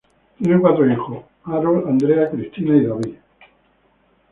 Tienen cuatro hijos: Harold, Andrea, Christina y David.